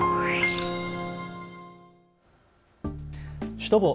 シュトボー。